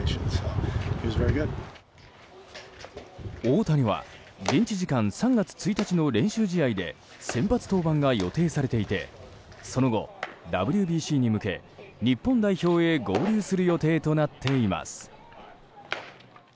大谷は現地時間３月１日の練習試合で先発登板が予定されていてその後、ＷＢＣに向け日本代表へ合流する予定となっています。